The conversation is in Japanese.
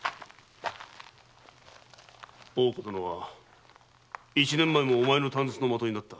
大岡殿は一年前もお前の短筒の的になった。